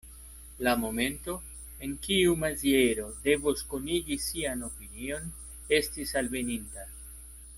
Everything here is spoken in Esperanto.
La momento, en kiu Maziero devos konigi sian opinion, estis alveninta.